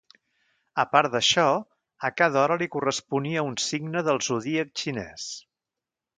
A part d'això, a cada hora li corresponia un signe del zodíac xinès.